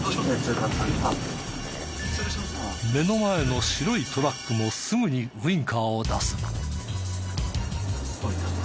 目の前の白いトラックもすぐにウィンカーを出す。